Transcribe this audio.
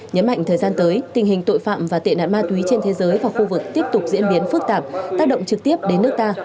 nhấn mạnh thời gian tới tình hình tội phạm và tệ nạn ma túy trên thế giới và khu vực tiếp tục diễn biến phức tạp tác động trực tiếp đến nước ta